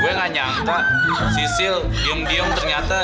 gue gak nyangka si sil bium bium ternyata